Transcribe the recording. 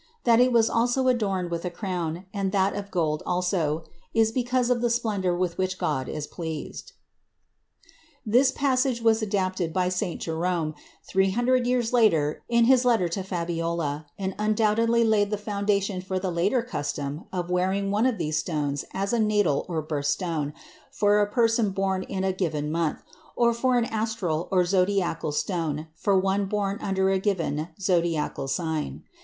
That it was also adorned with a crown, and that of gold also, is because of the splendor with which God is pleased. This passage was adapted by St. Jerome, three hundred years later, in his letter to Fabiola, and undoubtedly laid the foundation for the later custom of wearing one of these stones as a natal or birth stone for a person born in a given month, or for an astral or zodiacal stone for one born under a given zodiacal sign.